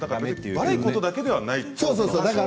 悪いことだけではないんですね。